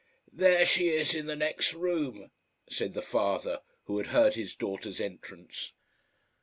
"There she is in the next room," said the father, who had heard his daughter's entrance.